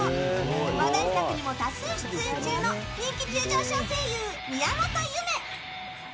話題作にも多数出演中の人気急上昇声優・宮本侑芽。